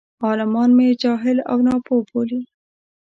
عالمان مې جاهل او ناپوه بولي.